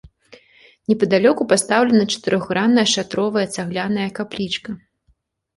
Непадалёку пастаўлена чатырохгранная шатровая цагляная каплічка.